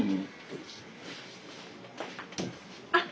あっ！